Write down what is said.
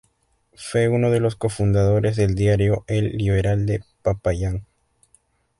Fue uno de los cofundadores del diario El Liberal de Popayán.